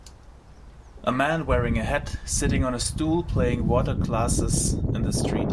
A man wearing a hat sitting on a stool playing water glasses in the street